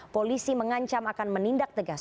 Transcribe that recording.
polisi mengancam akan menindak tegas